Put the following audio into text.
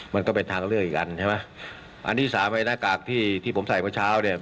มันก็เป็นทางเลือกอีกอันใช่ไหมอันที่สามไอ้หน้ากากที่ที่ผมใส่เมื่อเช้าเนี่ย